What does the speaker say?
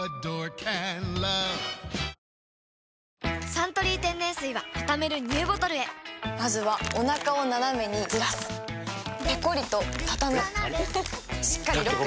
「サントリー天然水」はたためるＮＥＷボトルへまずはおなかをナナメにずらすペコリ！とたたむしっかりロック！